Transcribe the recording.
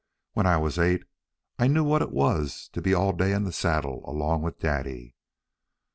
When I was eight I knew what it was to be all day in the saddle along with Daddy.